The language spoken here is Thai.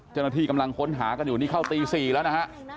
เจ้าหน้าที่กำลังค้นหากันอยู่นี่เข้าตี๔แล้วนะฮะ